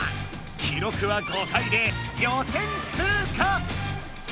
記録は５回で予選通過！